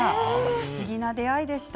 不思議な出会いでした。